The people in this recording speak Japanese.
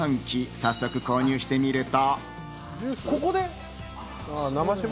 早速購入してみると。